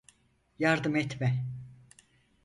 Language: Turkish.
Yardım etme.